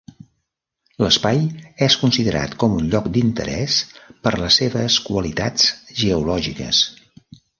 L'espai és considerat com un lloc d'interès per les seves qualitats geològiques.